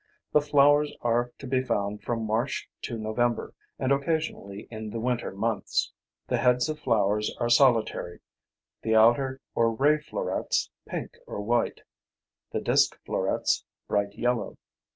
The flowers are to be found from March to November, and occasionally in the winter months. The heads of flowers are solitary, the outer or ray florets pink or white, the disk florets bright yellow.